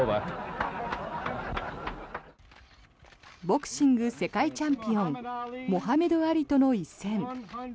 ボクシング世界チャンピオンモハメド・アリとの一戦。